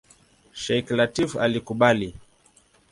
Sheikh Lateef alikubali.